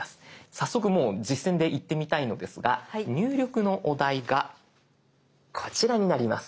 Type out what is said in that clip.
早速もう実践でいってみたいのですが入力のお題がこちらになります。